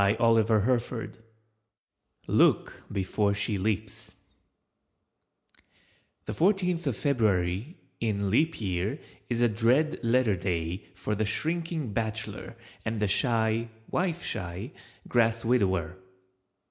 LOOK BEFORE SHE LEAPS The Fourteenth of February in Leap Year is a dread letter day for the shrinking bachelor and the shy (wife shy) grass widower.